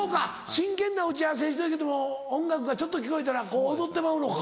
真剣な打ち合わせしてるけども音楽がちょっと聞こえたらこう踊ってまうのか。